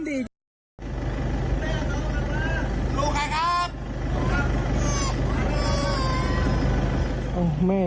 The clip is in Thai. บ้านไหนแม่